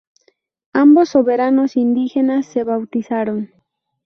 Ambos soberanos indígenas se bautizaron.